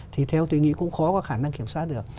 thì theo tôi nghĩ cũng khó có khả năng kiểm soát được